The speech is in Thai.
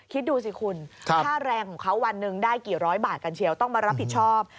คิดดูสิคุณค่าแรงของเขาวันหนึ่งได้กี่ร้อยบาทกันเชียวต้องมารับผิดชอบ